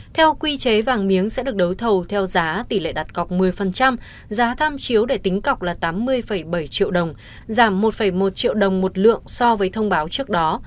theo quy chế vàng miếng sẽ được đấu thầu theo giá tỷ lệ đặt cọc một mươi giá tham chiếu để tính cọc là tám mươi bảy triệu đồng giảm một một triệu đồng một lượng so với thông báo trước đó